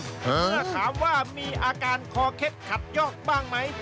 เมื่อถามว่ามีอาการคอเคล็ดขัดยอกบ้างไหม